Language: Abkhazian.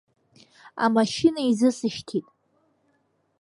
Амашьына изысышьҭит.